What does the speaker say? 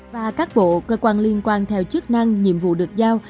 và các bộ cơ quan liên quan theo chức năng nhiệm vụ được giao